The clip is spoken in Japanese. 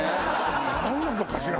なんなのかしら？